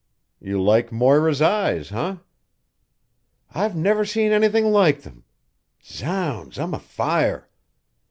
"You like Moira's eyes, eh?" "I've never seen anything like them. Zounds, I'm afire.